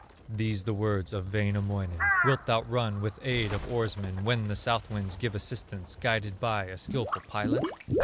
These the words of Wainamoinen: "Wilt thou run with aid of oarsmen When the south winds give assistance, Guided by a skillful pilot?"